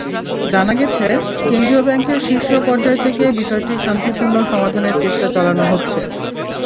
জানা গেছে, কেন্দ্রীয় ব্যাংকের শীর্ষ পর্যায় থেকে বিষয়টির শান্তিপূর্ণ সমাধানের চেষ্টা চালানো হচ্ছে।